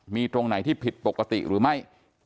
มีตรงไหนที่ผิดปกติหรือไม่